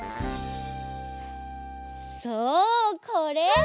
そうこれ！